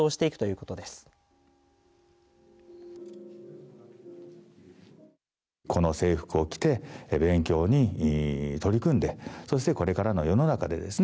この制服を着て勉強に取り組んで、そしてこれからの世の中でですね